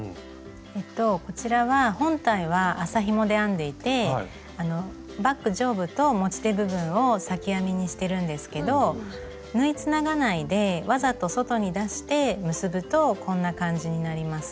えっとこちらは本体は麻ひもで編んでいてバッグ上部と持ち手部分を裂き編みにしてるんですけど縫いつながないでわざと外に出して結ぶとこんな感じになります。